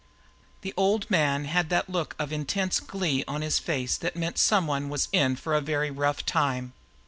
The Old Man had that look of intense glee on his face that meant someone was in for a very rough time.